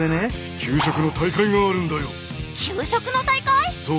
給食の大会⁉そう。